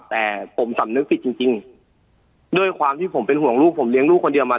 แต่ผมสำนึกผิดจริงด้วยความที่ผมเป็นห่วงลูกผมเลี้ยงลูกคนเดียวมา